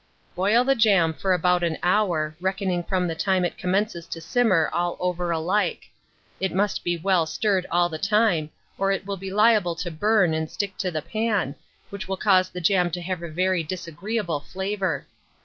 Boil the jam for about an hour, reckoning from the time it commences to simmer all over alike: it must be well stirred all the time, or it will be liable to burn and stick to the pan, which will cause the jam to have a very disagreeable flavour.